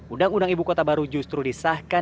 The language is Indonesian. undang undang ibu kota baru justru disahkan